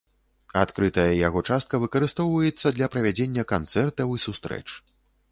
Адкрытая яго частка выкарыстоўваецца для правядзення канцэртаў і сустрэч.